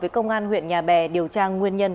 với công an huyện nhà bè điều tra nguyên nhân